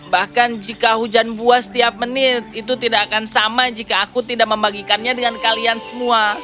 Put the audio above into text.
bahkan jika hujan buah setiap menit itu tidak akan sama jika aku tidak membagikannya dengan kalian semua